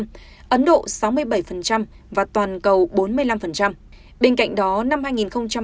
bên cạnh đó năm hai nghìn hai mươi hội đồng vàng thế giới đã tự nhiên tự nhiên tự nhiên tự nhiên tự nhiên tự nhiên